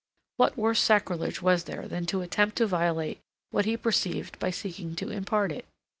What worse sacrilege was there than to attempt to violate what he perceived by seeking to impart it?